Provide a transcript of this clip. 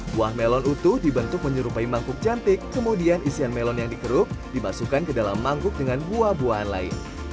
buah melon utuh dibentuk menyerupai mangkuk cantik kemudian isian melon yang dikeruk dimasukkan ke dalam mangkuk dengan buah buahan lain